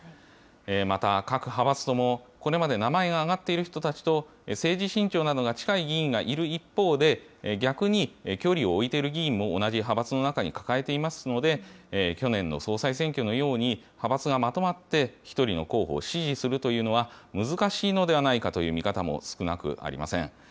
また、各派閥ともこれまで名前が挙がっている人たちと政治信条などが近い議員がいる一方で、逆に距離を置いている議員も同じ派閥の中に抱えていますので、去年の総裁選挙のように、派閥がまとまって１人の候補を支持するというのは難しいのではないかという見方も少なくありません。